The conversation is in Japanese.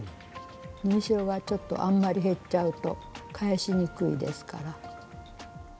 縫い代がちょっとあんまり減っちゃうと返しにくいですから。